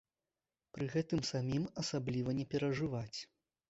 Пры гэтым самім асабліва не перажываць.